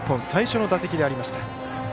最初の打席でありました。